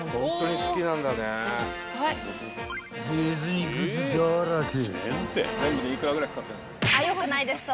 ［ディズニーグッズだらけ］